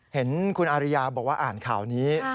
เห็นคุณอาริยาบอกว่าอ่านข่าวนี้